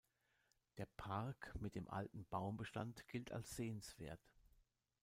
Der Park mit dem alten Baumbestand gilt als sehenswert.